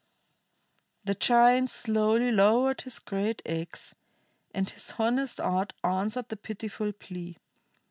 The giant slowly lowered his great ax, and his honest heart answered the pitiful plea.